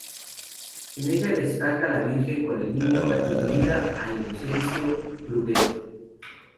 En ella, destaca la Virgen con el Niño, atribuida a Inocencio Berruguete.